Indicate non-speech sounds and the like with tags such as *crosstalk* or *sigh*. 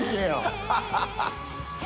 ハハハ *laughs*